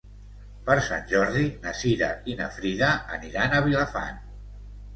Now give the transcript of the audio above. Per Sant Jordi na Cira i na Frida aniran a Vilafant.